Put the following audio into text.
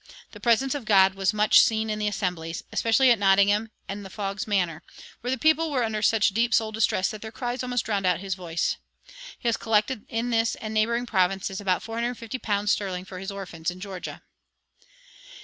The presence of God was much seen in the assemblies, especially at Nottingham and Fog's Manor, where the people were under such deep soul distress that their cries almost drowned his voice. He has collected in this and the neighboring provinces about four hundred and fifty pounds sterling for his orphans in Georgia."